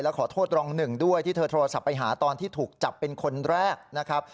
ขอโทษรองหนึ่งด้วยที่เธอโทรศัพท์ไปหาตอนที่ถูกจับเป็นคนแรกนะครับ